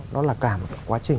nó là cả một quá trình